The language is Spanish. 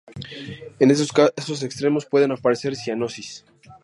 En casos extremos puede aparecer cianosis.